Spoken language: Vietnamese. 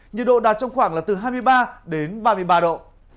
nhiệt độ đạt trong khoảng là từ hai mươi ba đến ba mươi ba độ